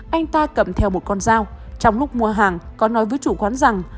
anh ta cầm theo một con dao trong lúc mua hàng có nói với chủ quán rằng